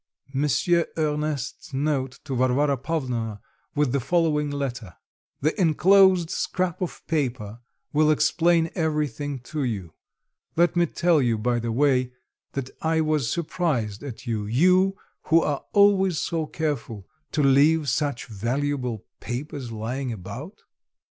Ernest's note to Varvara Pavlovna with the following letter: "The enclosed scrap of paper will explain everything to you. Let me tell you by the way, that I was surprised at you; you, who are always so careful, to leave such valuable papers lying about."